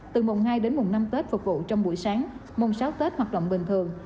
từ mùng hai đến mùng năm tết phục vụ trong buổi sáng mùng sáu tết hoạt động bình thường